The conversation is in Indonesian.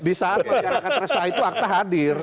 di saat masyarakat resah itu akta hadir